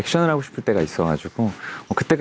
หรืออายุคร้าว